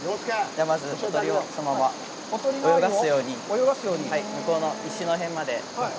まずおとりをそのまま泳がすように、向こうの石の辺まで。